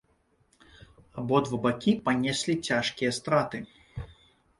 Абодва бакі панеслі цяжкія страты.